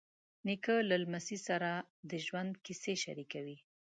نیکه له لمسي سره د ژوند کیسې شریکوي.